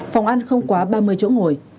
phòng ăn không quá ba mươi chỗ ngồi